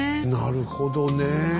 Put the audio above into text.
なるほどね。